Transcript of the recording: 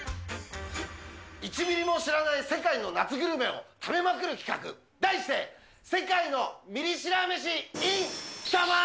１ミリも知らない世界の夏グルメを食べまくる企画、題して、世界のミリ知ら飯ｉｎサマー。